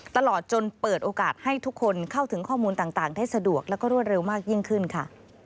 ตลอดจนเปิดโอกาสให้ทุกคนเข้าถึงข้อมูลต่างได้สะดวกแล้วก็รวดเร็วมากยิ่งขึ้นค่ะ